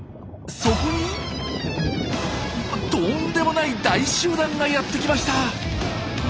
そこにとんでもない大集団がやって来ました！